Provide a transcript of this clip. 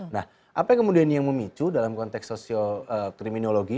nah apa yang kemudian memicu dalam konteks sosiokriminologi